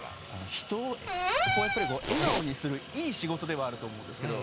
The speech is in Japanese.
人をやっぱりこう笑顔にするいい仕事ではあると思うんですけど。